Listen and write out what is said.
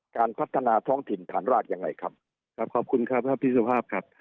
การพัฒนาท้องถิ่นฐานรากยังไงครับครับขอบคุณครับครับพี่สุภาพครับ